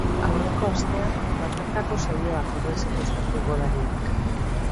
Aurreko astean bakarkako saioak egin zituzten futbolariek.